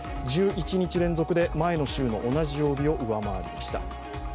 １１日連続で前の週の同じ曜日を上回りました。